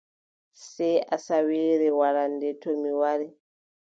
Sey asawaare warande, to mi wari.